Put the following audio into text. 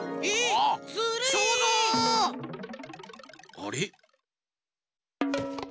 あれ？